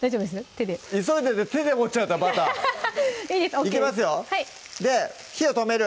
手で急いでて手で持っちゃったバターいいですＯＫですで火を止める